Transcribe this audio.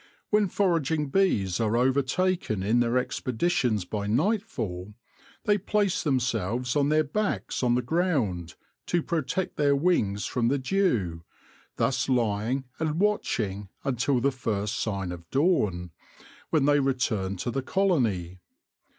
When foraging bees are overtaken in their expeditions by nightfall, they place themselves on their backs on the ground, to protect their wings from the dew, thus lying and watching until the first sign of dawn, when they return to the colony.